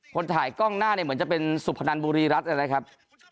คนถ่ายกล้องหน้าเนี่ยเหมือนจะเป็นสุพนันบุรีรัฐนะครับ